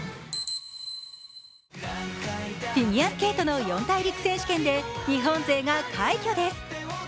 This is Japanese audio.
フィギュアスケートの四大陸選手権で日本勢が快挙です。